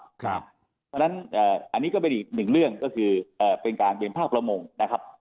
เพราะฉะนั้นอันนี้ก็เป็นอีกหนึ่งเรื่องก็คือเป็นการเป็นภาคประมงนะครับ